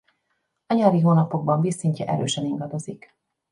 A nyári hónapokban vízszintje erősen ingadozik.